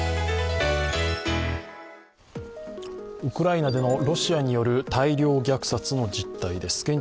ウクライナでのロシアによる大量虐殺の実態です。